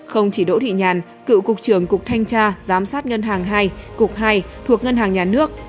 không chỉ đỗ thị nhàn cựu cục trưởng cục thanh tra giám sát ngân hàng hai cục hai thuộc ngân hàng nhà nước